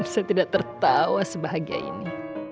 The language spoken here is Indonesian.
saya tidak tertawa sebahagia ini